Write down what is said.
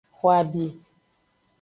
Xo abi.